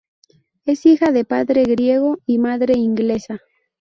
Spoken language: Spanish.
Es hija de padre griego y madre inglesa.